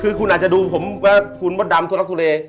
คือคุณอาจจะดูผมว่าคุณมดดำสุรรักษณ์ศูเล